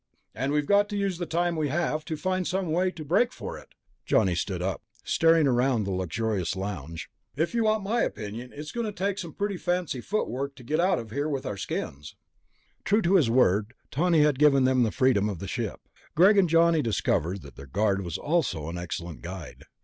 "And we've got to use the time we have to find some way to break for it." Johnny stood up, staring around the luxurious lounge. "If you want my opinion, it's going to take some pretty fancy footwork to get out of here with our skins." True to his word, Tawney had given them the freedom of the ship. Greg and Johnny discovered that their guard was also an excellent guide.